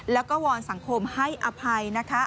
แล้วก็วอนสังคมให้อภัยนะคะ